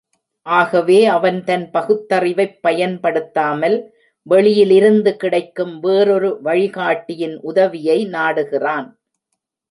ஆகவே அவன் தன் பகுத்தறிவைப் பயன்படுத்தாமல், வெளியிலிருந்து கிடைக்கும் வேறொரு வழிகாட்டியின் உதவியை நாடுகிறான்.